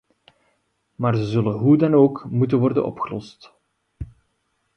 Maar ze zullen hoe dan ook moeten worden opgelost.